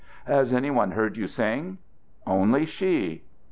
"Has any one heard you sing?" "Only she."